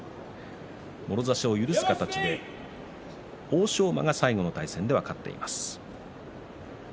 もろ差しを許す形で欧勝馬が最後の対戦で勝っています。